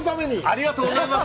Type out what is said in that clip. ありがとうございます。